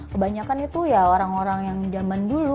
kebanyakan itu ya orang orang yang zaman dulu